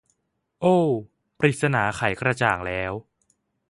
โอ้ว ปริศนาไขกระจ่างแล้ว